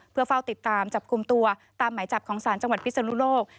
เพื่อเฝ้าติดตามจับกลุ่มตัวตามหมายจับของศาลจังหวัดพิศนุโลก